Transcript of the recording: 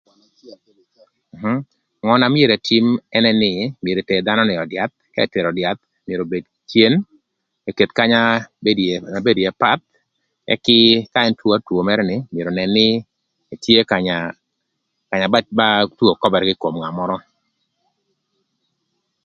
Ngö na myero ëtïm ënë nï myero eter dhano ni ï öd yath ka etero ï öd yath myero obed kï cen eketh kanya bedo ïë obed na bedo ïë path ëk ka ën two two mërë ni, myero ënën nï kanya ën tye ïë nï two ba kobere ïë ï kom ngat mörö.